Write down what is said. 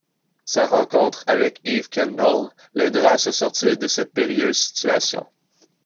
Sa rencontre avec Eve Kendall l'aidera à se sortir de cette périlleuse situation.